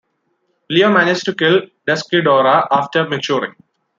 Leo manages to kill Desghidorah after maturing.